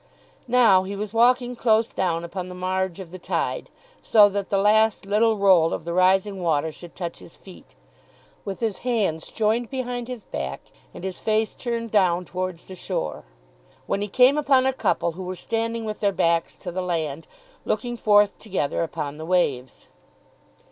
Now he was walking close down upon the marge of the tide, so that the last little roll of the rising water should touch his feet, with his hands joined behind his back, and his face turned down towards the shore, when he came upon a couple who were standing with their backs to the land, looking forth together upon the waves.